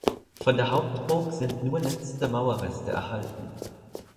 Von der Hauptburg sind nur letzte Mauerreste erhalten.